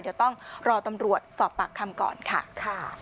เดี๋ยวต้องรอตำรวจสอบปากคำก่อนค่ะ